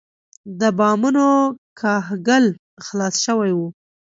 د بامونو کاهګل خلاص شوی و.